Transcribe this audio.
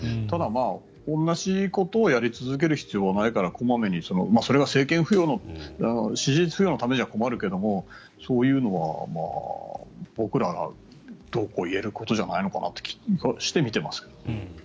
ただ、同じことをやり続ける必要はないから小まめにそれが政権浮揚の支持率浮揚のためじゃ困るけどそういうのは僕ら、どうこう言えることじゃないのかなって見てますけど。